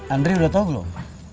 andri udah tau belum